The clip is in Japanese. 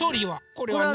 これはね